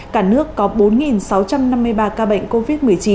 cả nước có bốn sáu trăm năm mươi ba ca bệnh covid một mươi chín